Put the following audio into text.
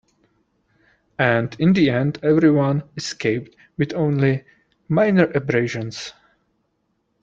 And in the end, everyone escaped with only minor abrasions.